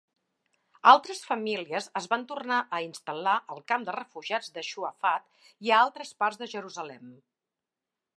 Altres famílies es van tornar a instal·lar al camp de refugiats de Shu'afat i a altres parts de Jerusalem.